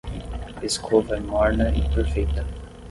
A escova é morna e perfeita